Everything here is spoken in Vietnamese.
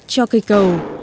cho cây cầu